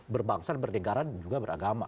berbangsaan berdengkaran juga beragama